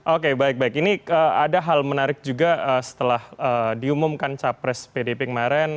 oke baik baik ini ada hal menarik juga setelah diumumkan capres pdp kemarin